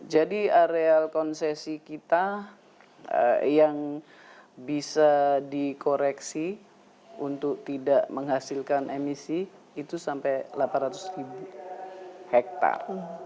jadi areal konsesi kita yang bisa dikoreksi untuk tidak menghasilkan emisi itu sampai delapan ratus hektar